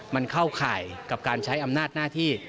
มันเข้าข่ายกับการใช้อำนาจหน้าที่